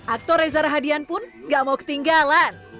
aktor reza rahadian pun gak mau ketinggalan